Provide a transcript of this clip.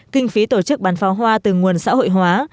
kinh phí tổ chức bán pháo hoa từ nguồn xã hội hóa